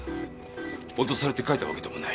脅されて書いたわけでもない。